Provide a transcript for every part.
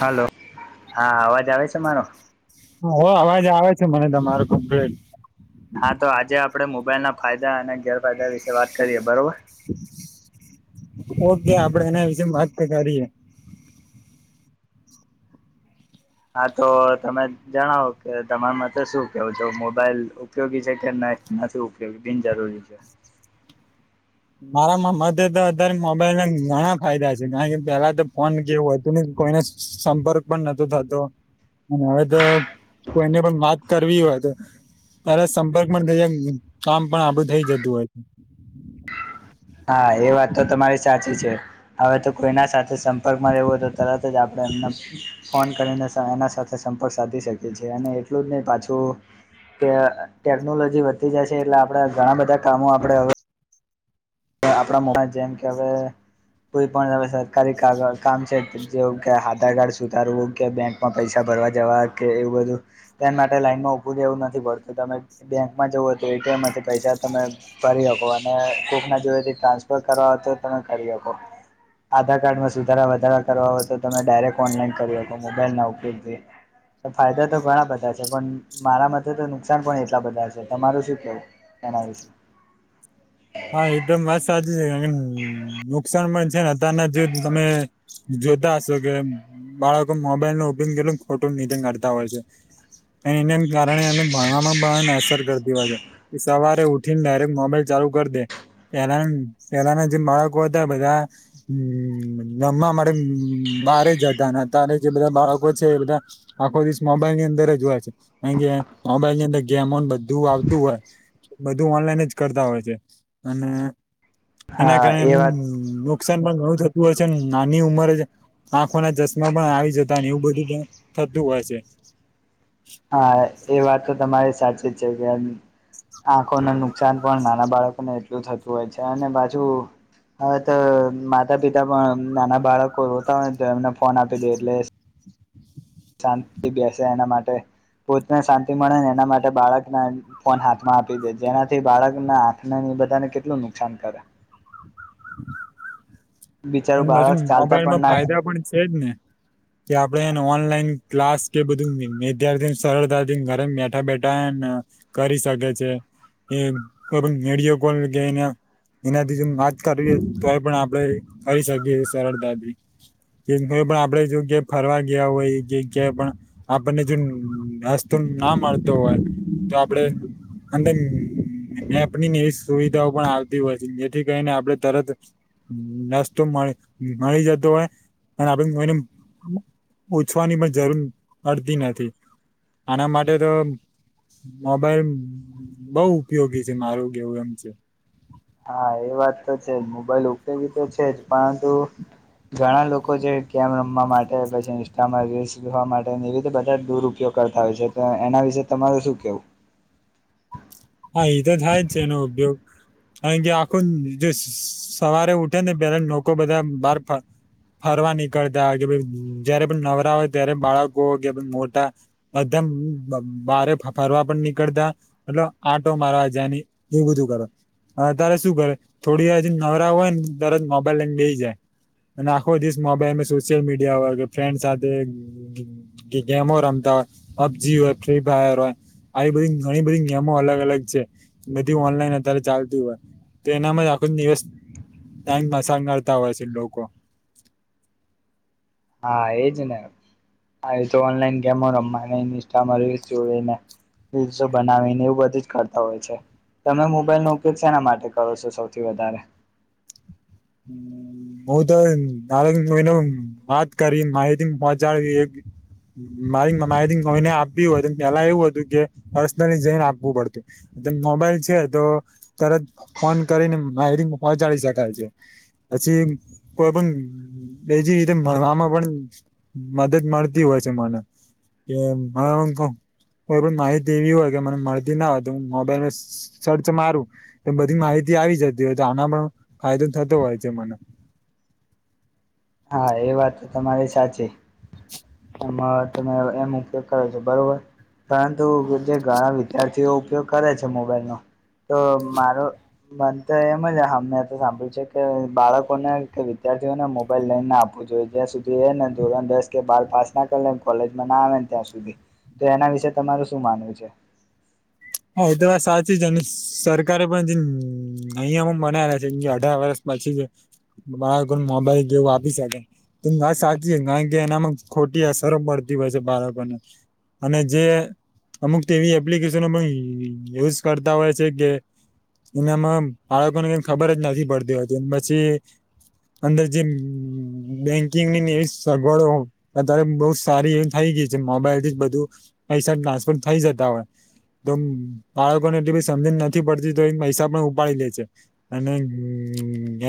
Hello હા અવાજ આવે છે મારો. હો અવાજ આવે છે મને તમારું કમ્પ્લેન. હા તો આજે આપડે મોબાઈલ ના ફાયદા અને ગેરફાયદા વિશે વાત કરીએ બરોબર. ઓકે આપડે એના વિશેે વાત તો કરીએ. હા તો તમે જણાવો કે તમારા માટે શું કેવો છ મોબાઈલ. ઉપયોગી છે કે નથી ઉપયોગી બિનજરૂરી છે મારા મતે તો અત્યારે મોબાઈલ ના ઘણા ફાયદા છે કારણ કે પેલા તો ફોન કેવું હોય હતું કોઈને સંપર્ક પણ નતો થતો અને હવે તો કોઈને પણ વાત કરવી હોય તો ત્યારેા સંપર્ક પણ થ કામ પણ આબું થઇ જતું હોય છે હા એ વાત તો તમારી સાચી છે હવે તો કોઈના સાથે સંપર્કમાં રહેેવો હોય તો તરત જ આપડે એમને ફોન કરીને એના સાથે સંપર્ક સાધી શકી છી અને એટલું જ નહી પાછું કે ટેકનોલોજી વધતી જાયશે એટલે આપણેે ઘણા બધા કામો આપડે હવે આપણા મોમાં જેમ કે હવે કોઈ પણ સરકારી ક કામ છે જે હધાર કાર્ડ સુધાર ગ્ય બેંક માં પૈસા ભરવા જવા કે એવું બધું એ માટે લાઈનમાં ઊભું રહે એવું નથી ભરતું તમે બેંકમાં જવું હોય તો એટીએમમાંથી પૈસા તમે ભરી શકો અને કોક ના જો ટ્રાન્સફર કરવા તો તમે કરી શકો આધાર કાર્ડમાં સુધારા વધારા કરવા હોય તો તમે ડાયરેક્ટ ઓનલાઈન કરી શકો મોબાઈલ ના ઉપયોગથી ફાયદા તો ઘણા બધા છે પણ મારા માટે તો નુકસાન પણ એટલા બધા છે તમારું શું કેવું એના છે હા એદમ મસ્ત સાચી છે કારણ નુકસાન પણ છે ને અતારના જ તમે જોધાશો કે બાળકો મોબાઈલ નો ઉપયોગ કર ફોટો નીચે કાઢતા હોય છે એના કારણે એને ભણવામાં પણ એને અસર કરતી હોય છે સવારે ઉઠીને ડાયરેક્ટ મોબાઈલ ચાલુ કરી દે પેલા પેલાના જે બાળકો હતા બધા હમ રમવા માટે બારે જતા હતા અને જે બધા બાળકો છે એ બધા આખો દિવસ મોબાઈલ ની અંદર જ હોય છે કારણ કે મોબાઈલ ની અંદર ગેમો બધું આવતું હોય બધું ઓનલાઈન જ કરતા હોય છે અને એના હા કારણેમ એ વાત નુકસાન પણ ઘણું થતું હોય છે નાની ઉંમરે આંખો ના ચશ્મા પણ આવી જતા એવું બધું પણ થતું હોય છે હા એ વાત તો તમારી સાચી જ છે કેમ આંખોને નુકસાન પણ નાના બાળકોને એટલું થતું હોય છે અને બાજુ હવે તો માતા પિતા પણ નાના બાળકો રોતા હોય તો એમને ફોન આપી દે એટલે શાંતિ બેસે એના માટે પોતને શાંતિ મળે ને એના માટે બાળકને ફોન હાથમાં આપી દે જેનાથી બાળક ના હાથ ના બધાને કેટલું નુકસાન કરે બિચારું પણ પાછુ બાળક ચાલતા પણ મોબાઈલમાં ના ફાયદા પણ છેજ ને કે આપડે એને ઓનલાઈન ક્લાસ કે બધું વિદ્યાર્થીને સરળતાથી ઘરે બેઠા બેઠા એ કરી શકે છે એ વિડીયો કોલ કેને એનાથી જો ના જ કરીએ તોય પણ આપડે કરી શકીએ સરળતાથી પણ આપડે જોગ્યા ફરવા ગયા હોય જગ્યાએ પણ આપણને જોસ્તો ના મળતો હોય તો આપડે અને એપ ની એવી સુવિધાઓ પણ આવતી હોય છે જેથી કરીને આપડણે તરત નાસ્તો મળ મળી જતો હોય અને આપે એને ઓછવાની પણ જરૂર પડતી નથી આના માટે તો મોબાઈલ બઉ ઉપયોગી છે મારું કેવું એમ છે હા એ વાત તો છે જ મોબાઈલ ઉપયોગી તો છે જ પરંતુ ઘણા લોકો જે કેમ રમવા માટે પછી ઇન્સ્ટામાં રીલ્સખવા માટે એવી રીતે બધા દુરુપયોગ કરતા હોય છે તો એના વિશે તમારે શું કેવું હા એ તો થાય જ છે એનો ઉપયોગ અ કે આખું જે સવારે ઉઠે ને પેલા લોકો બધા બહાર ફરવા નીકળતા કે ભ જયારે પણ નવરા હોય ત્યારે બાળકો કે મોટા બમ બારે ફરવા પણ નીકળતા મટ આટો મારવા જની એવું બધું કરો હ ત્યારે શું કરે થોડી હજી નવરા હોય ને તરજ મોબાઈલ એને બેઈ જાય અને આખો દિવસ મોબાઈલ સોશિયલ મીડિયા વ કે ફ્રેન્ડ સાથે ગેમો રમતા હોય પબજી હોય ફ્રી ફાયર હોય આવી બધી ઘણી બધી અલગ અલગ છે બધી ઓનલાઈન અત્યારે ચાલતું હોય તો એનામાં આખો દિવસ ક્યાંક મશ કરતા હોય છે લોકો હા એજ ને હ તો ઓનલાઈન ગેમો રમ ઇન્સ્ટામાં ર જોને દિવસો બનાવીને એવું બધું જ કરતા હોય છે તમે મોબાઈલ નોકેલ છે એના માટે કરો છો સૌથી વધારે હમ હું તો એને વાત કરી માહિતી પહોચાડ એક મારી મારી કોઈને આપવી હોય પેલા એવું હતું કે પર્સનલી જઈને આપવું પડતું મોબાઈલ છે તો તરત ફોન કરીને માયરિંગ પોહચાડી શકાય છે અછ કો પણ એજી રીતે આમાં પણ મદદ મળતી હોય છે મને કે કો પણ માહિતી એવી હોય કે મને મળતી ના હોય તો મોબાઈલ સર્ચ મારું એ બધી માહિતી આવી જતી હોય તો આના પણ ફાયદો થતો હોય છે મને હા એ વાત તો તમારી સાચી એમાં તમે એમ ઉપયોગ કરો છેો બરોબર પરંતુ જે ઘણા વિદ્યાર્થીઓ ઉપયોગ કરે છે મોબાઈલનોો તો મારો મન તો એમ જ અમે તો સાંભળ્યું છે કે બાળકોને કે વિદ્યાર્થીઓને મો બ લ ના આપવું જોઈએ જ્યાં સુધી એને ધોરણ દસ કે બાર પાસ ના કર લે કોલેજમાં ના આવે ત્યાં સુધી તો એના વિશે તમારું શું માનવું છે હા એ તો વાત સાચી છે અને સરકારે પણ જે નિયમો બનાવ્યા છે જે અઢાર વર્ષ પછી મારા કો મોબાઈલ જેવું આપી શકે આ સાચી કારણ કે એનામાં ખોટી અસરો પડતી હોય છે બાળકોને અને જે અમુક તેવી એપ્લિકેશનો બ ગ એવુંજ કરતા હોય છે કે એનામાં બાળકોને કઈ ખબર જ નથી પડતી હોતી પછી અંદર જે બેંકિંગની એવી સગવડો અત્યારે બઉ સારી એવી થઇ ગય છે મોબાઈલ થી જ બધું પૈસા ટ્રાન્સફર થઇ જતા હોય તો બાળકોને એટલી બી સમજને નથી પડતી તો એને પૈસા પણ ઉપાડી લે છે અને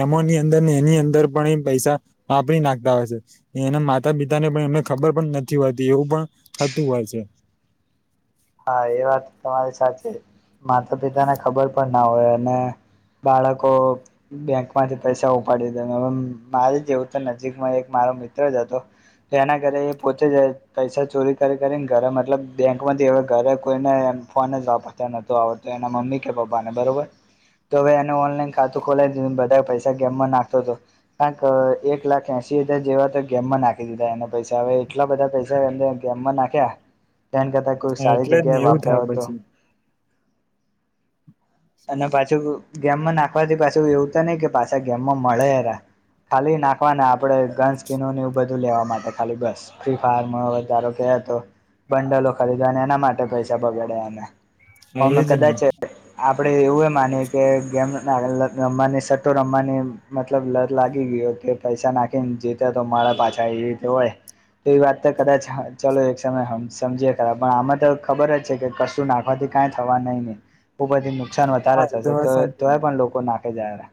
એમો ની અંદર ને એની અંદર પણ એ પૈસા હા આપડી નાખતા આવે છે એના માતા પિતા ને પણ એમને ખબર પણ નથી હોતી એવું પણ થતું હોય છે હા એ વાત તમારી સાચી માતા પિતા ને ખબર પણ ના હોય અને બાળકો બેંક માંથી પૈસા ઉપાડી દે હ મારે જેવું તો નજીકમાં એક મારો મિત્ર જ હતો એના ઘરે એ પોતે જ પૈસા ચોરી કરી કરીને ઘરે મતલબ બેંક માંથીવા ઘરે કોઈને એમ ફોન જ નતો આવતો એના મમ્મી કે પપ્પા ને બરોબર તો હવે એને ઓનલાઈન ખાતું ખોલાવી દીધ બધા પૈસા ગેમમાં નાખતો હતો કંક એક લાખ એસી હજાર જેવા તો ગેમમાં નાખી દીધા એના પૈસા હવે એટલા બધા પૈસા એમાં નાખ્યા તેન કરતા કોઈક સારી એટલે જ ને જગ્યા એવું થાય વાપર્યો હતો પછી અને પાછું ગેમમાં નાખવાથી પાછું એવું તો નહિ કે પાછા ગેમમાં મળે એરા ખાલી નાખવા આપડે ગન સ્કીિનો એવું બધું લેવા માટે ખાલી બસ ફ્રી ફાયર માં વધારો કે તો બંડલો ખરીદવા અને એના માટે પૈસા બગાડે અમે હા અમે એજ ને કદાચ આપણે એવું એ માનીએ કે ગેમ રમવાની સટ્ટો રમવાની મતલબ લત લાગી ગઈ હતી. પૈસા નાખી ને જીતે તો મારે પાછા એવી રીતે હોય. તો એ વાત તો કદાચ ચાલો એક સમય સમજીએ ખરાબ પણ આમાં તો ખબર જ છે કે કશું નાખવાથી કઈ થવા નહી નહી બ બધી નુકસાન હા વધારે એ થશે વાત તો સાચી તોય પણ લોકો નાખે જાય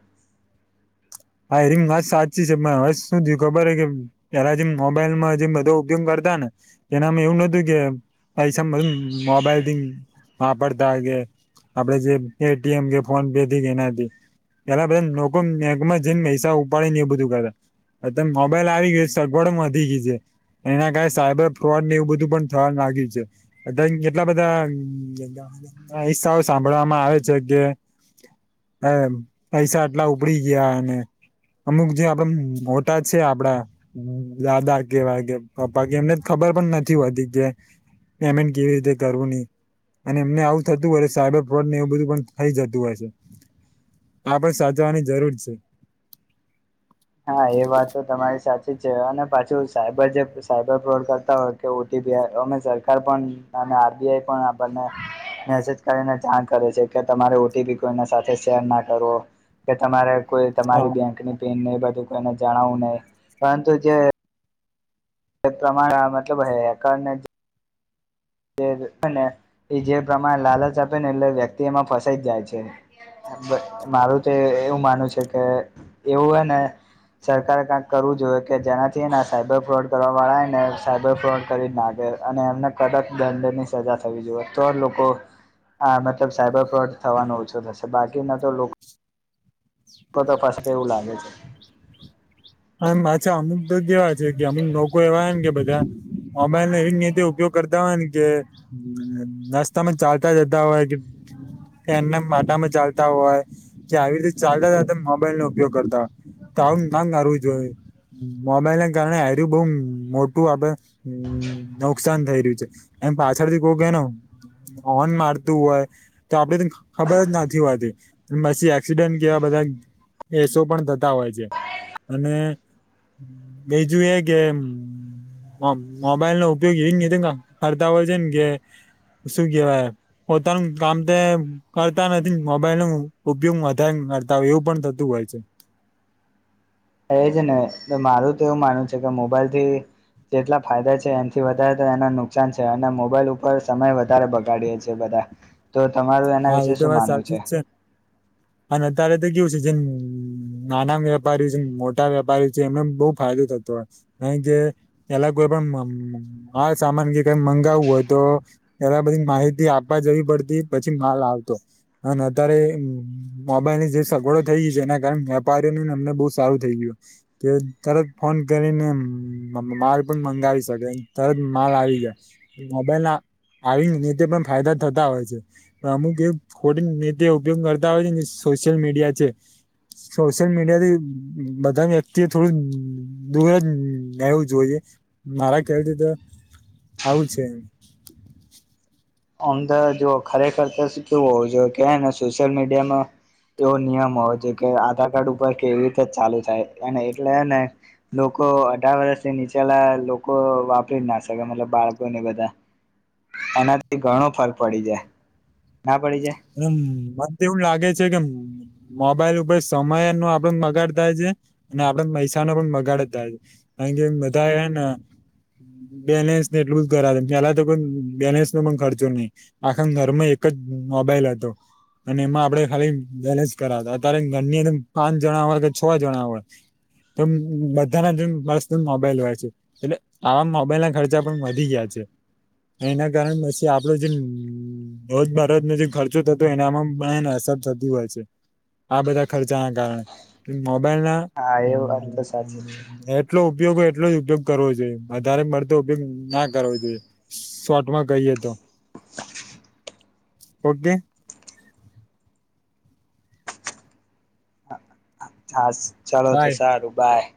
હા એરી હસ્ સાચી છે હ શું થયું ખબર હ કે પેલા જેમ મોબાઈલમાં જેમ બધો ઉપયોગ કરતા ને એનામાં એવું નતું કે પૈસા મ મોબાઈલ દ વાપરતા કે આપડે જે એટીએમ કે ફોન ભેથી કેનાથી પેલાધમાં જઈને પૈસા ઉપાડી ને એ બધું કરા અ મોબાઈલ આવી ગયો સગવડો વધી ગય છે. એના કારણે સાયબર ફ્રોડ ને એવું બધું પણ થવા લાગ્યું છે. અત્યારે એટલા બધા હિસ્સાઓ સાંભળવામાં આવે છે કે હ પૈસા એટલા ઉપડી ગયા અને અમુક જે આપડ મોટા છે આપડા દાદા કેવાય કે પપ્પા કે એમને ખબર પણ નથી હોતી કે પેમેન્ટ કેવી રીતે કરવું ની. અને એમને આવું થતું હોય છે સાયબર ફ્રોડ ને એવું બધું પણ થઈ જતું હોય છે. હા પણ સાચવાની જરૂર છે. હા એ વાત તો તમારી સાચી. અને પાછું સાયબર જે સાબર પ્રોડ કરતા હોય કે ઓટીપી અમે સરકાર પણ અને આરબીઆઈ પણ આપને મેસેજ કરીને જાણ કરે છે કે તમારે ઓટીપી કોઈ ના સાથે શેર ના કરવો કે તમારે કો હા તમારી બેંકની પન બધું કોઈને જણાવવું નહીં પરંતુ જે તે પ્રમાણે મતલબ હેકરને ને એ જે પ્રમાણે લાલચ આપે ને એટલે વ્યક્તિ એમાં ફસાઈ જ જાય છે. મારું તો એવું માનું છે કે એવું હ ને સરકારે ક્યાંક કરવું જોઈએ કે જેનાથી ને સાયબર ફ્રોડ કરવા વાળા ને સાયબર ફ્રોડ કરી નાખે અને એમને કડક દંડ ની સજા થવી જોઈએ. તો લોકો હ મતલબ સાયબર ફ્રોડ થવાનો ઓછો થશે. બાકીના તો લોકો તો તો પાછા એવું લાગે છે. હ પાછા અમુક તો કેવા છે કે અમુક લોકો એવા ને કે બધા મોબાઈલ એવીતે ઉપયોગ કરતા કે નાસ્તા માં ચાલતા જતા હોય કે એના માટામાં ચાલતા હોય કે આવી રીતે ચાલતા હતા મોબાઈલ નો ઉપયોગ કરતા હોય. તો આવું ના કરરવું જોઈએ મોબાઈલને કારણે [inaudible] મોટું આપે હમ નુકસાન થઈ રહ્યું છે. એમ પાછળથી [inaudible] હોર્ન મારતું હોય. તો આપણેે ખબર જ નથી હોતી પછી એક્સિડન્ટ એવા બધા કેસો પણ થતા હોય છે. અને બીજું એ કે મોબાઈલ નો ઉપયોગ એવી કતો ફરતા હોય છે ને કે શું કેવાય પોતાનું કામ તે કરતા નથી મોબાઈલ નો ઉપયોગ વધારે કરતા હોય એવું પણ થતું હોય છે. એજ ને મારું તો એવું માનવું છે કે મોબાઈલ થી જેટલા ફાયદા એથી વધારે તો એને નુકસાન છે અને મોબાઈલ ઉપર સમય વધારે બગાડીએેીએ બધા. તો તમારું એના હા એ વિશે તો શું વાત માનવું સાચી છે? જ અને અત્યારે તો કેવું છે જેમ નાના વેપારી છે મોટા વેપારી છે એમને બહુ ફાયદો થતો હો કારણકે કે પેલા કોઈ પણ માલ સામાન કે કઈ મંગાવવું હોય તો એલા બધી માહિતી આપવા જવી પડતી પછી માલ આવતો. અને અત્યારે મોબાઈલ ની જે સગવડો થઈ ગય છે એના કારણે વેપારીઓને અમને બહુ સારું થઇ ગયું. કે તરત ફોન કરીને માલ પણ મંગાવી શકે તરત માલ આવી જાય. મોબાઈલ ના આવી નેતે પણ ફાયદા થતા હોય છે. અમુક એ ખોટી નેતે ઉપયોગ કરતા હોય છે, સોશિયલ મીડિયા છે. સોશિયલ મીડિયા થી બધા વ્યક્તિ એ થોડું દૂર જ નવું જોઈએ, મારા કહેવ છે તો આવું છે. આમદા જો ખરેખર તો કેવું હોવું જોઈએ કેને સોશિયલ મીડિયામાં એવો નિયમ હો જે કે આધાર કાર્ડ ઉપર કેવી રીતે જ ચાલુ થાય એટલેને લોકો અઢાર વર્ષથી નીચેલા લોકો વાપરી જ ના શકે મતલબ બાળકોને બધા એનાથી ઘણો ફરક પડી જાય ના પડી જાય એમ મને તો એવું લાગે છે કેમ મોબાઈલ ઉપર સમય નો આપડ બગાડ થાય છે અને આપડ પૈસા નો પણ બગાડ થાય છે હંગે બધા એના બેલેન્સ ને એટલું જ કર ચલા તો બેલેન્સ નો પણ ખર્ચો નહી આખા ઘરમાં એક જ મોબાઈલ હતો અને એમાં આપડે ખાલી બેલેન્સ કરાવતા અત્યારે ઘરની અંદર પાંચ જણા હોય કે છ જણા હોય તો બધાના જે મસ્ મોબાઈલ હોય છે. એટલે આવા મોબાઈલ ના ખર્ચા પણ વધી ગયા છે. એના કારણે પછી આપડો જેજ તને જે ખર્ચો થતો એનામાં પણને અસર થતી હોય છે આ બધા ખર્ચા ના કારણે મોબાઈલ ના હા એ વાત તો સાચી જ છે. એટલો ઉપયોગ હોય એટલો જ ઉપયોગ કરવો જોઈએ વધારે મળતો ઉપયોગ ના કરવો જોઈએ શોટમાં ગઈએ તો ઓગે હા ચાલો તો બાય સારું બાય